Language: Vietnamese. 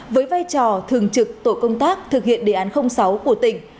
với vai trò thường trực tổ công tác thực hiện đề án sáu của tỉnh